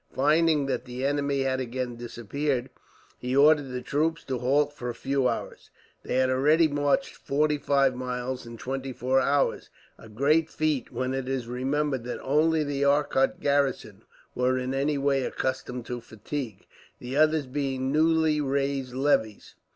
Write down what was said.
Finding that the enemy had again disappeared, he ordered the troops to halt for a few hours. They had already marched forty five miles in twenty four hours, a great feat when it is remembered that only the Arcot garrison were in any way accustomed to fatigue, the others being newly raised levies.